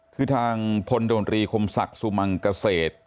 คือทางพลโดรีคมศักดิ์สุมังเกษตร